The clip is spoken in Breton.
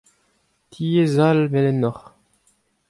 Tiez all melenoc'h.